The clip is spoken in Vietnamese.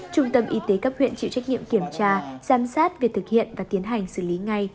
trung tâm y tế cấp huyện chịu trách nhiệm kiểm tra giám sát việc thực hiện và tiến hành xử lý ngay